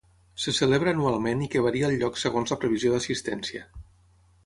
Se celebra anualment i que varia el lloc segons la previsió d'assistència.